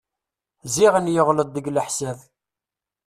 Ziɣen yeɣleḍ deg leḥsab.